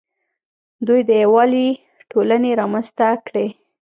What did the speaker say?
دوی د یووالي ټولنې رامنځته کړې